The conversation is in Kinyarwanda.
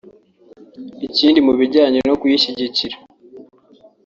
Ikindi mu bijyanye no kuyishyigikira